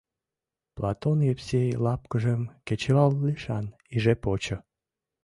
Платон Евсей лапкыжым кечывал лишан иже почо.